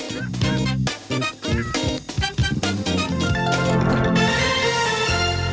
พรุ่งนี้มีนะคะ